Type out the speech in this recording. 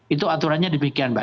itu aturannya demikian mbak